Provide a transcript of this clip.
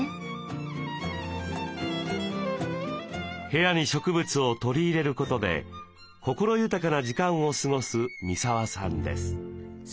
部屋に植物を取り入れることで心豊かな時間を過ごす三沢さんです。